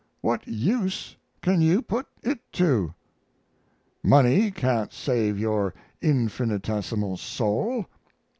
What use can you put it to? Money can't save your infinitesimal soul.